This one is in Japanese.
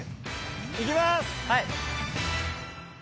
いきます！